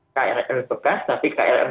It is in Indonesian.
krl bekas tapi krl